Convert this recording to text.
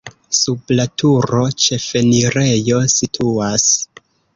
Sub la turo ĉefenirejo situas.